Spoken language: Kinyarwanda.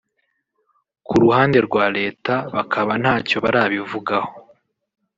ku ruhande rwa Leta bakaba ntacyo barabivugaho